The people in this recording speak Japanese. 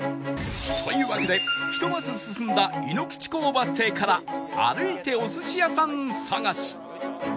というわけで１マス進んだ井口港バス停から歩いてお寿司屋さん探し